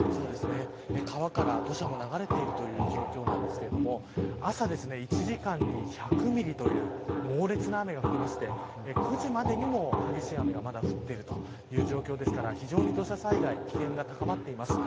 川から土砂も流れているという状況なんですけれども朝、１時間に１００ミリという猛烈な雨が降りまして９時までにも、激しい雨がまだ降っているという状況ですから非常に土砂災害危険が高まっています。